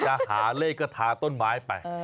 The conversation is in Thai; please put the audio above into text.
จะหาเลขก็ทาต้นไม้ไป